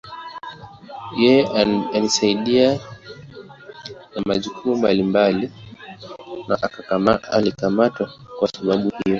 Yeye alisaidia na majukumu mbalimbali na alikamatwa kuwa sababu hiyo.